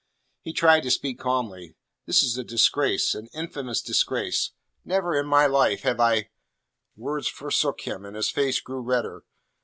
He tried to speak calmly. "This is a disgrace. An infamous disgrace. Never in my life have I " Words forsook him, and his face grew redder.